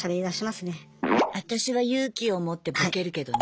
私は勇気を持ってボケるけどね